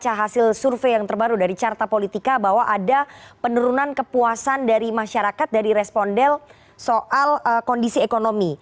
bagaimana hasil survei yang terbaru dari carta politika bahwa ada penurunan kepuasan dari masyarakat dari responden soal kondisi ekonomi